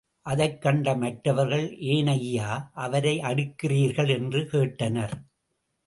அதைக்கண்ட மற்றவர்கள், ஏன் ஐயா, அவரை அடிக்கிறீர்கள்? என்று கேட்டனர்.